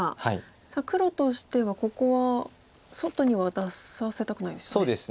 さあ黒としてはここは外には出させたくないですよね。